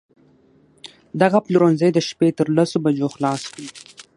دغه پلورنځی د شپې تر لسو بجو خلاص وي